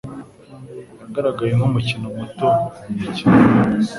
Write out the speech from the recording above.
Yagaragaye nkumukino muto mu mukino.